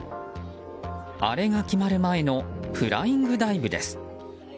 アレが決まる前のフライングダイブです。